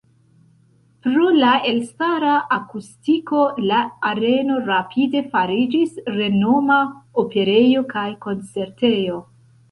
Pro la elstara akustiko la areno rapide fariĝis renoma operejo kaj koncertejo.